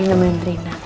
ini teman teman rinda